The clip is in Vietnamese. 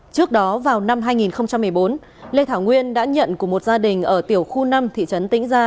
trước đó vào năm hai nghìn một mươi bốn lê thảo nguyên đã nhận của một gia đình ở tiểu khu năm thị trấn tĩnh gia